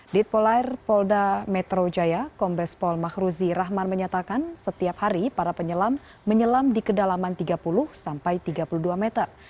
dit polair polda metro jaya kombes pol mahruzi rahman menyatakan setiap hari para penyelam menyelam di kedalaman tiga puluh sampai tiga puluh dua meter